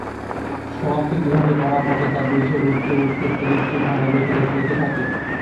সমাপ্তি কিভাবে করা হবে তা বুঝে উঠতে উঠতে সিরিজটির ধারাবাহিকতা চলতে থাকে।